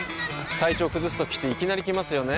体調崩すときっていきなり来ますよね。